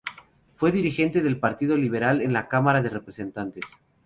Fue dirigente del Partido Liberal en la Cámara de Representantes.